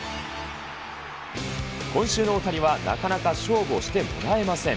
今週の大谷はなかなか勝負をしてもらえません。